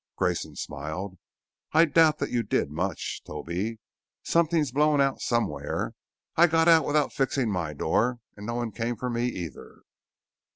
Grayson smiled. "I doubt that you did much, Toby. Something's blown out somewhere. I got out without fixing my door and no one came for me, either."